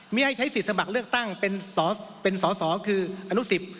ไม่ให้ใช้สิทธิ์สมัครเลือกตั้งเป็นสอสอคืออนุสิต